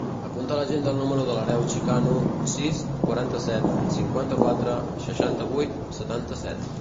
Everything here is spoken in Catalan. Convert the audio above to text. Apunta a l'agenda el número de l'Àreu Chicano: sis, quaranta-set, cinquanta-quatre, seixanta-vuit, setanta-set.